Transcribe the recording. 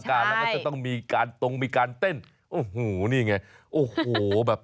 เฮ้ยมือใครยาว